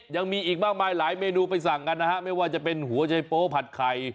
ยังมีอีกมากมายหลายเมนูไปสั่งกันนะฮะไม่ว่าจะเป็นหัวใจโป๊ผัดไข่